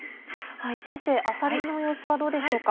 先生あさりの様子はどうでしょうか？